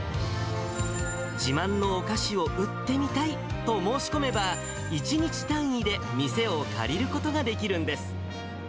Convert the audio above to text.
自慢のお菓子を売ってみたいと申し込めば、１日単位で店を借りることができるんです。